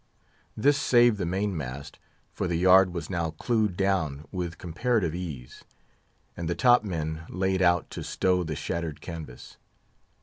This saved the main mast; for the yard was now clewed down with comparative ease, and the top men laid out to stow the shattered canvas.